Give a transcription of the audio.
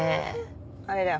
あれだよ